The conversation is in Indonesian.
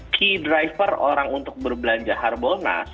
key driver orang untuk berbelanja harbolnas